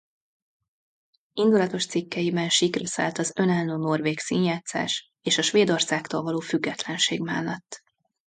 Indulatos cikkeiben síkra szállt az önálló norvég színjátszás és a Svédországtól való függetlenség mellett.